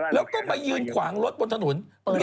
แล้วก็มายืนขวางรถบนถนน